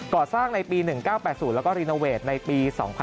ก่อสร้างในปี๑๙๘๐และรีโนเวทในปี๒๐๑๗